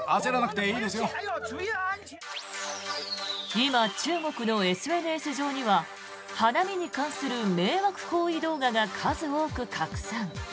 今、中国のＳＮＳ上には花見に関する迷惑行為動画が数多く拡散。